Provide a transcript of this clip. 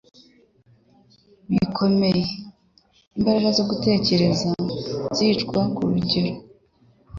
bikomeye. Imbaraga zo gutekereza zicwa ku rugero